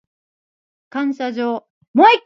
感謝状